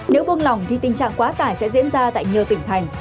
nếu buông lỏng thì tình trạng quá tải sẽ diễn ra tại nhiều tỉnh thành